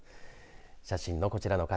写真のこちらの方